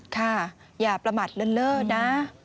ค่ะอย่าประมาทเลิศนะ